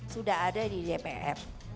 sudah ada di dpr